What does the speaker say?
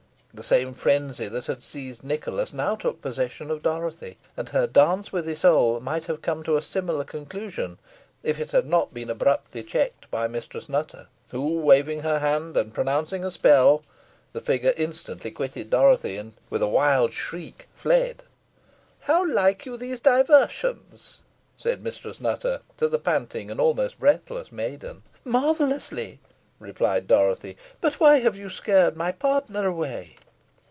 The same frenzy that had seized Nicholas now took possession of Dorothy, and her dance with Isole might have come to a similar conclusion, if it had not been abruptly checked by Mistress Nutter, who, waving her hand, and pronouncing a spell, the figure instantly quitted Dorothy, and, with a wild shriek, fled. "How like you these diversions?" said Mistress Nutter to the panting and almost breathless maiden. "Marvellously," replied Dorothy; "but why have you scared my partner away?"